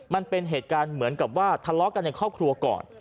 มันเป็นเหตุการณ์เหมือนกับว่าทะเลาะกันในครอบครัวก่อน